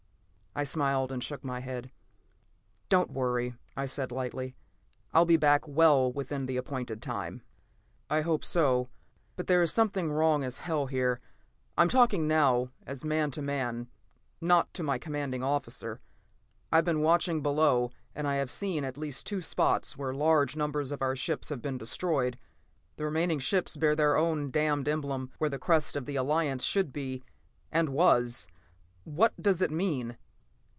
I smiled and shook my head. "Don't worry," I said lightly. "I'll be back well within the appointed time." "I hope so. But there's something wrong as hell here. I'm talking now as man to man; not to my commanding officer. I've been watching below, and I have seen at least two spots where large numbers of our ships have been destroyed. The remaining ships bear their own damned emblem where the crest of the Alliance should be and was. What does it mean?"